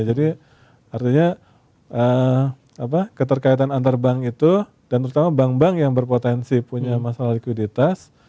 artinya keterkaitan antar bank itu dan terutama bank bank yang berpotensi punya masalah likuiditas